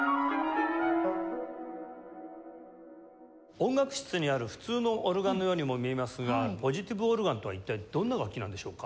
音楽室にある普通のオルガンのようにも見えますがポジティブ・オルガンとは一体どんな楽器なんでしょうか？